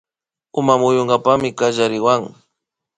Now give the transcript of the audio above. Uma muyunkapakmi kallariwan